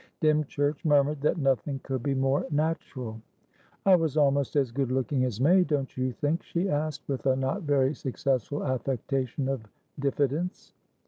Dymchurch murmured that nothing could be more natural. "I was almost as good looking as May, don't you think?" she asked, with a not very successful affectation of diffidence.